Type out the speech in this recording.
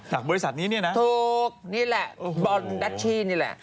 บริษัทนี้เนี่ยนะถูกนี่แหละบอลดัชชี่นี่แหละ